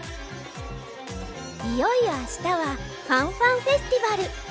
いよいよあしたはファンファンフェスティバル。